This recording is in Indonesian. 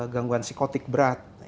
gangguan psikotik berat